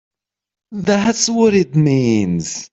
That's what it means!